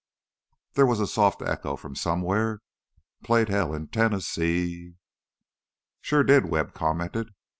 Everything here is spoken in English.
There was a soft echo from somewhere "...played Hell in Tennessee ee ee." "Sure did," Webb commented.